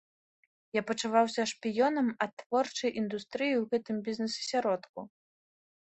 Я пачуваўся шпіёнам ад творчай індустрыі ў гэтым бізнес-асяродку.